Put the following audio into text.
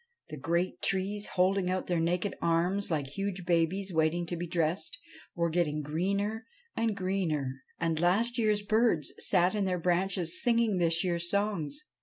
The great trees, holding out their naked arms like huge babies waiting to be dressed, were getting greener and greener, and last year's birds sat in their branches singing this year's songs.